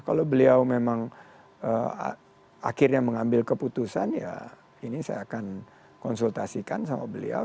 kalau beliau memang akhirnya mengambil keputusan ya ini saya akan konsultasikan sama beliau